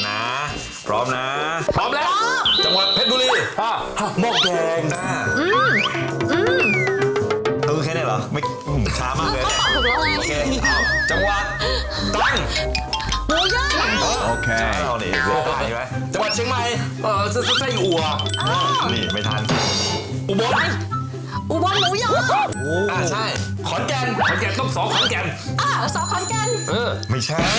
น่ะพร้อมน่ะพร้อมแล้วจังหวัดเพชรดุลีอ่ะอ่ะม่วงแกงอืม